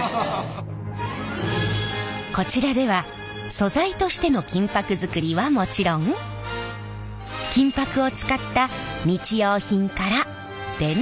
こちらでは素材としての金箔作りはもちろん金箔を使った日用品から伝統工芸品